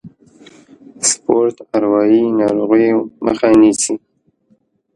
سپورت اروايي ناروغیو مخه نیسي.